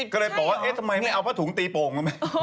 ก็เลยบอกว่าเอ๊ะทำไมไม่เอาผ้าถุงตีโป่งมาไหม